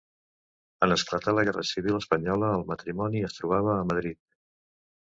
En esclatar la guerra civil espanyola, el matrimoni es trobava a Madrid.